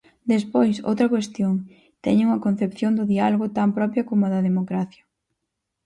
Despois, outra cuestión: teñen unha concepción do diálogo tan propia como da democracia.